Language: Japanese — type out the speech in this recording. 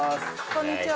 こんにちは。